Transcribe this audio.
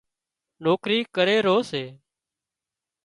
نوڪري ڪري رو سي